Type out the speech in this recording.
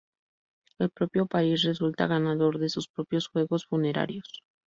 El propio Paris resulta ganador de sus propios juegos funerarios.